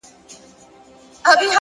وخت د هر فرصت اندازه کوي.!